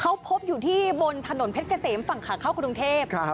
เขาพบอยู่ที่บนถนนเพชรเกษมฝั่งขาเข้ากรุงเทพ